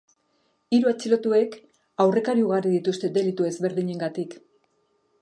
Hiru atxilotuek aurrekari ugari dituzte delitu ezberdinengatik.